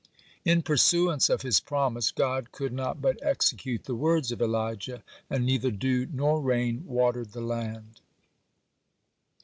'" In pursuance of His promise, God could not but execute the words of Elijah, and neither dew nor rain watered the land.